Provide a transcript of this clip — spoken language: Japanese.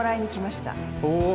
ほう。